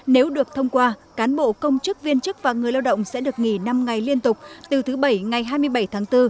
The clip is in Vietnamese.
nếu được thông qua cán bộ công chức viên chức và người lao động sẽ được nghỉ năm ngày liên tục từ thứ bảy ngày hai mươi bảy tháng bốn